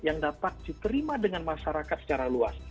yang dapat diterima dengan masyarakat secara luas